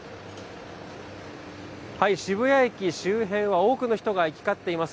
渋谷駅周辺は多くの人が行き交っています。